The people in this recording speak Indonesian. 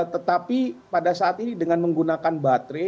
tetapi pada saat ini dengan menggunakan baterai